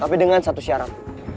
tapi dengan satu syarat